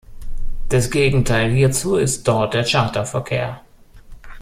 Das Gegenteil hierzu ist dort der Charterverkehr.